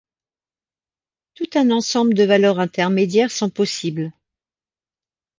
Tout un ensemble de valeurs intermédiaires sont possibles.